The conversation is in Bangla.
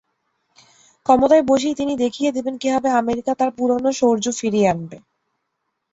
ক্ষমতায় বসেই তিনি দেখিয়ে দেবেন কীভাবে আমেরিকা তার পুরোনো শৌর্য ফিরিয়ে আনবে।